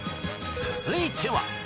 続いては。